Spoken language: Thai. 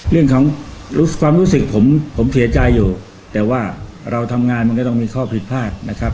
เรื่องของความรู้สึกผมผมเสียใจอยู่แต่ว่าเราทำงานมันก็ต้องมีข้อผิดพลาดนะครับ